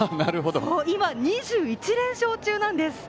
今、２１連勝中なんです。